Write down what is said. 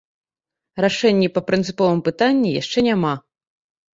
Рашэння па прынцыповым пытанні яшчэ няма.